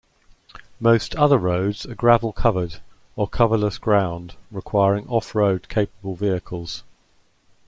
Most other roads are gravel-covered or coverless ground, requiring off-road capable vehicles.